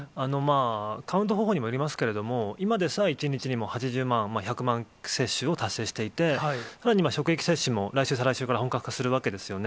カウント方法にもよりますけれども、今でも１日に８０万、１００万接種を達成していて、さらに今、職域接種も来週、再来週から本格化するわけですよね。